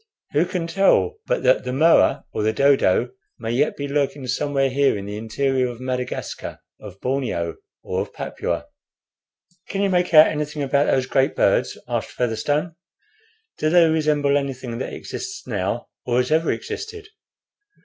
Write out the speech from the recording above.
Who can tell but that the moa or the dodo may yet be lurking somewhere here in the interior of Madagascar, of Borneo, or of Papua?" "Can you make out anything about those great birds?" asked Featherstone. "Do they resemble anything that exists now, or has ever existed?"